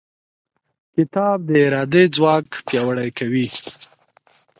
کتاب د ارادې ځواک پیاوړی کوي.